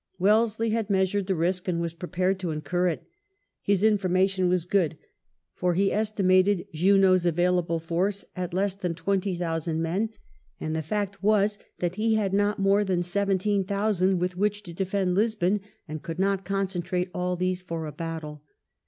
Wellesley had measured the risk and was prepared to incur it. His information was good, for he estimated Junot's available force at less than twenty thousand men, and the fact was that he had not more than seventeen thousand with which to defend Lisbon, and could not concentrate all these for a battle.